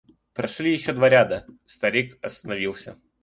Прошли еще два ряда, старик остановился.